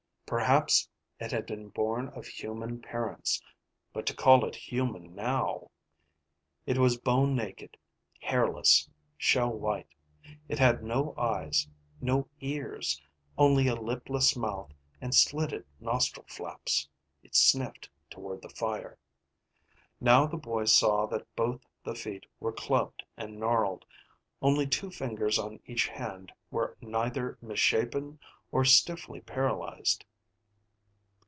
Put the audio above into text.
Perhaps it had been born of human parents, but to call it human now ... It was bone naked, hairless, shell white. It had no eyes, no ears, only a lipless mouth and slitted nostril flaps. It sniffed toward the fire. Now the boy saw that both the feet were clubbed and gnarled. Only two fingers on each hand were neither misshapen or stiffly paralyzed.